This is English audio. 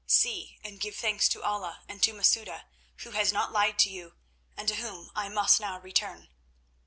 See and give thanks to Allah and to Masouda, who has not lied to you, and to whom I must now return.